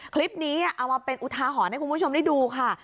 คลิปนี้เอามาเป็นอุทาหรณ์ให้คุณผู้ชมได้ดูค่ะ